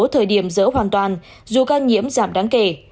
thời điểm dỡ hoàn toàn dù ca nhiễm giảm đáng kể